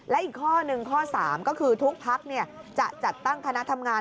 และอีกข้อหนึ่งข้อ๓ก็คือทุกพักจะจัดตั้งคณะทำงาน